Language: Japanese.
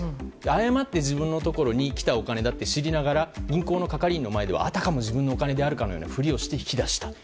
誤って自分のところに来たお金と知りながら銀行の係員の前ではあたかも自分のお金であるかのようなふりをしたと。